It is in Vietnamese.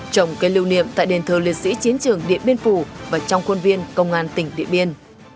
trồng cây lưu niệm tại điện thờ lịch sỹ chiến trường điện biên phủ và trong khuôn viên công an tỉnh điện biên